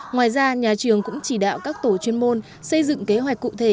ngoài ra nhà trường cũng chỉ đạo các tổ chuyên môn xây dựng kế hoạch cụ thể